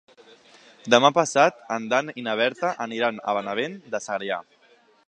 Demà passat en Dan i na Berta aniran a Benavent de Segrià.